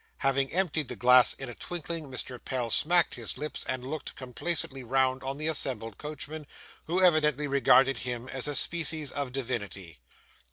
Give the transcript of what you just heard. Having emptied the glass in a twinkling, Mr. Pell smacked his lips, and looked complacently round on the assembled coachmen, who evidently regarded him as a species of divinity.